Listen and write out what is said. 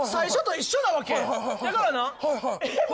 だからな僕